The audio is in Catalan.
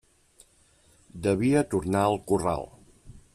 Devia tornar al corral.